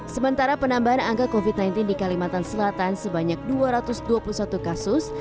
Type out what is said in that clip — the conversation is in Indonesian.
sementara penambahan angka covid sembilan belas di kalimantan selatan sebanyak dua ratus dua puluh satu kasus